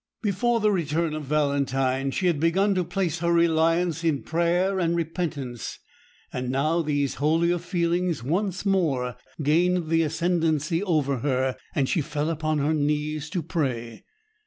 Before the return of Valentine she had begun to place her reliance in prayer and repentance, and now these holier feelings once more gained the ascendancy over her, and she fell upon her knees to pray.